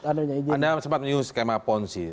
anda sempat new skema ponzi